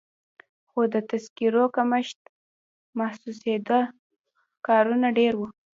خو د تذکیرو کمښت محسوسېده، کارونه ډېر وو.